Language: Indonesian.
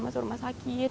masuk rumah sakit